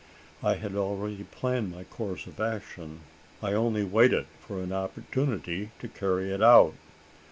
I had already planned my course of action. I only waited for an opportunity to carry it out.